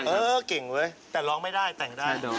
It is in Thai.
เออเก่งเว้ยแต่ร้องไม่ได้แต่งได้เลย